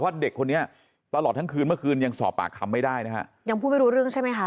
เด็กคนนี้ตลอดทั้งคืนเมื่อคืนยังสอบปากคำไม่ได้นะฮะยังพูดไม่รู้เรื่องใช่ไหมคะ